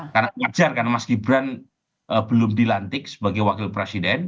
karena wajar karena mas gibran belum dilantik sebagai wakil presiden